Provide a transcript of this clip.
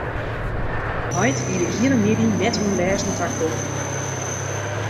Heit wie de hiele middei net oan lêzen takommen.